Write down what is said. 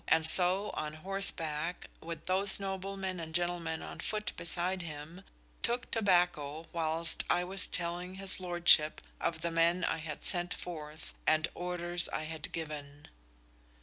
and so on horseback, with those Noblemen and Gentlemen on foot beside him, took tobacco, whilst I was telling his Lordship of the men I had sent forth, and orders I had given."